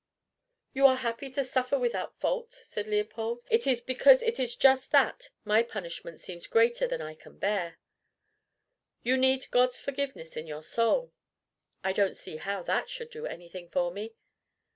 "You are happy to suffer without fault," said Leopold. "It is because it is just that my punishment seems greater than I can bear." "You need God's forgiveness in your soul." "I don't see how that should do anything for me."